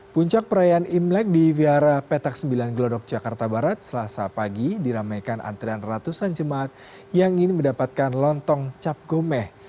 puncak perayaan imlek di vihara petak sembilan glodok jakarta barat selasa pagi diramaikan antrian ratusan jemaat yang ingin mendapatkan lontong cap gomeh